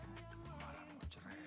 malah mau cerai